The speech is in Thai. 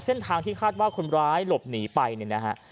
เส้นทางที่คาดว่าคนร้ายหลบหนีไปเนี่ยนะฮะ